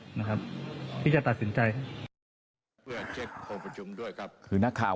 หรืออย่างที่แผ่นขาวเพื่อเลือกให้เป็นหลังบาล